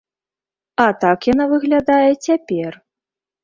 А так яна выглядае цяпер.